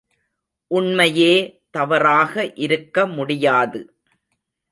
உண்மையே தவறாக இருக்க முடியாது.